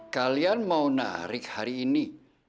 kalian mau narik hari ini